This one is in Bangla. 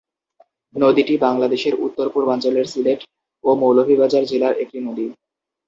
নদীটি বাংলাদেশের উত্তর-পূর্বাঞ্চলের সিলেট ও মৌলভীবাজার জেলার একটি নদী।